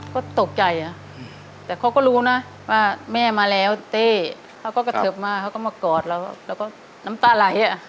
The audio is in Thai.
ก็ตกใจแต่เขาก็รู้นะว่าแม่มาแล้วเต้เขาก็กระเทิบมาเขาก็มากอดเราแล้วก็น้ำตาไหล